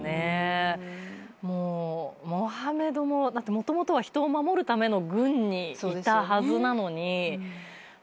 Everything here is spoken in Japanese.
もともとは人を守るための軍にいたはずなのにそこから。